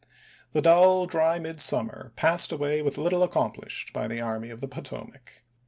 The dull, dry midsummer passed away with little accomplished by the Army of the Potomac.